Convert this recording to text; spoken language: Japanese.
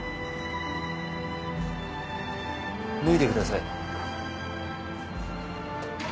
脱いでください。